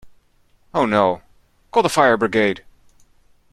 Oh no! Call the fire brigade!